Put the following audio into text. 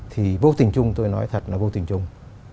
thì vô tình chung tôi nói thật là vô tình chung